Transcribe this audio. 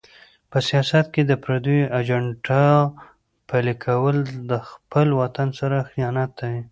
په سیاست کې د پردیو ایجنډا پلي کول د خپل وطن سره خیانت دی.